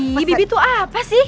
bi bibi tuh apa sih